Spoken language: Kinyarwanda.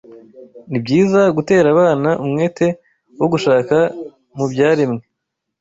Ni byiza gutera abana umwete wo gushaka mu byaremwe